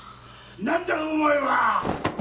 何だお前は！